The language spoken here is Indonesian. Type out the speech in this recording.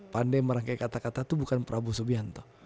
pandai merangkai kata kata itu bukan prabowo subianto